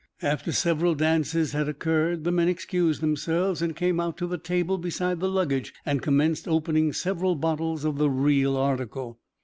After several dances had occurred, the men excused themselves and came out to the table beside the luggage, and commenced opening several bottles of the "real article."